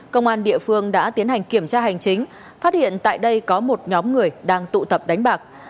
công an địa phương đã tiến hành kiểm tra hành chính phát hiện tại đây có một nhóm người đang tụ tập đánh bạc